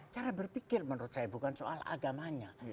cara berpikir menurut saya bukan soal agamanya